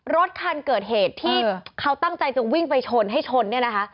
รถทันเกิดเหตุที่เขาตั้งใบจะชน